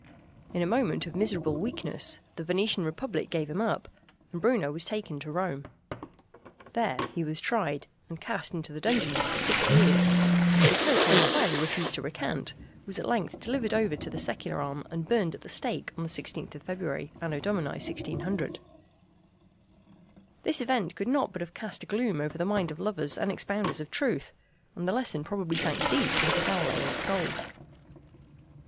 In a moment of miserable weakness the Venetian republic gave him up, and Bruno was taken to Rome. There he was tried, and cast into the dungeons for six years, and because he entirely refused to recant, was at length delivered over to the secular arm and burned at the stake on 16th February, Anno Domini 1600. This event could not but have cast a gloom over the mind of lovers and expounders of truth, and the lesson probably sank deep into Galileo's soul.